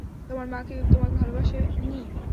তোমার মা কি তোমাকে ভালবাসে নি?